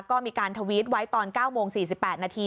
ก็มีการทวิตไว้ตอน๙โมง๔๘นาที